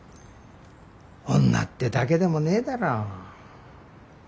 女ってだけでもねえだろう。